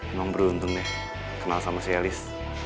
emang beruntung deh kenal sama si elis